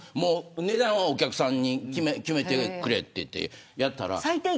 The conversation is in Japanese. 値段はお客さんに決めてくれってやった。